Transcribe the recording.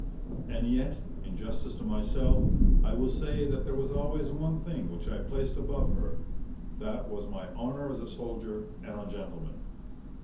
And yet, in justice to myself, I will say that there was always one thing which I placed above her. That was my honour as a soldier and a gentleman.